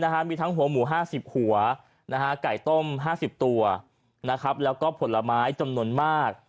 มีทั้งหัวหมู๕๐หัวไก่ต้ม๕๐ตัวแล้วก็ผลไม้จำนวนมาก